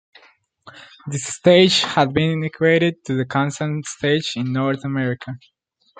This stage had been equated to the Kansan Stage in North America.